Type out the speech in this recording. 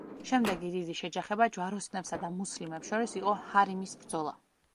შემდეგი დიდი შეჯახება ჯვაროსნებსა და მუსლიმებს შორის იყო ჰარიმის ბრძოლა.